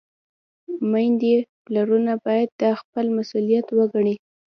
میندې، پلرونه باید دا خپل مسؤلیت وګڼي.